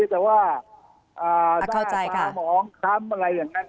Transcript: แต่ว่าน่าจะขามองค้ำอะไรอย่างนั้น